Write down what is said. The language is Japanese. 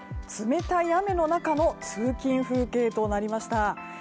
冷たい雨の中の通勤風景となりました。